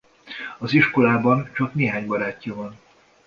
Az iskolában csak néhány barátja van.